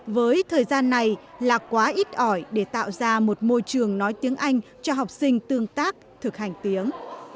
với thời gian này là quá ít ỏi để tạo ra một môi trường nói tiếng anh cho học sinh tương tác thực hành tiếng